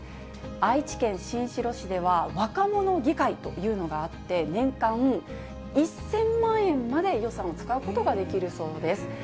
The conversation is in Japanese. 愛知県新城市では、若者議会というのがあって、年間１０００万円まで予算を使うことができるそうです。